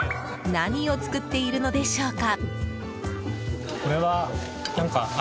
何を作っているのでしょうか。